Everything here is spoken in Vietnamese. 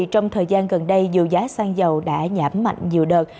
trong thời gian gần đây dù giá xăng dầu đã giảm mạnh nhiều đợt